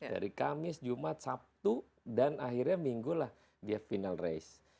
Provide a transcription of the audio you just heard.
dari kamis jumat sabtu dan akhirnya minggu lah dia final race